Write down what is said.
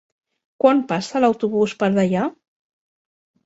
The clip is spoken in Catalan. Quan passa l'autobús per Deià?